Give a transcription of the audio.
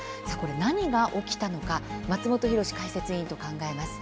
何が起きたのか松本浩司解説委員と考えます。